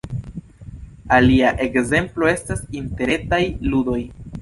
Alia ekzemplo estas interretaj ludoj.